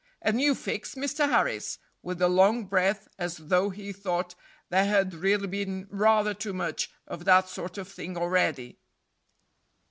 "A new fix, Mr. Harris?" with a long breath, as though he thought there had really been rather too much of that sort of thing already.